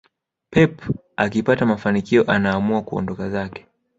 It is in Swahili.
pep akipata mafanikio anaamua kuondoka zake